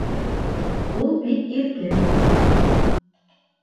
Ул бик иркен